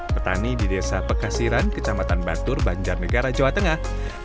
petani di desa pekasiran kecamatan batur banjarnegara jawa tengah